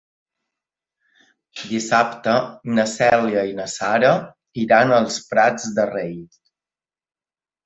Dissabte na Cèlia i na Sara iran als Prats de Rei.